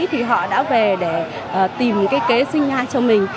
thì họ đã về để tìm cái kế sinh nhai cho mình